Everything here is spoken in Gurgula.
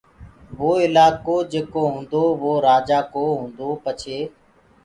وو الآڪو جيڪو هوٚندو وو رآجآ ڪو، هوندو پڇي